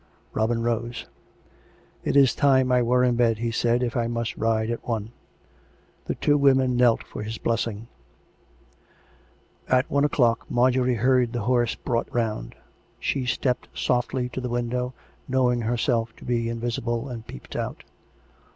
Robin rose. " It is time I were in bed," he said, " if I must ride at one." The two women knelt for his blessing. COME RACK! COME ROPE! 403 At one o'clock Marjorie heard the horse brought round. She stepped softly to the window, knowing herself to be invisible, and peeped out.